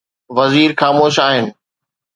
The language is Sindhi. وزير خاموش آهن.